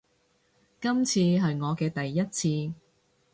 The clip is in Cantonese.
今次係我嘅第一次